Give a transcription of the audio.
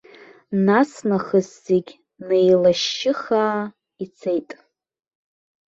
Нас нахыс зегь неилашьыхаа ицеит.